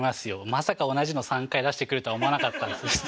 まさか同じの３回出してくるとは思わなかったです。